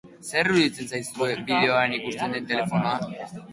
Zer iruditzen zaizue bideoan ikusten den telefonoa?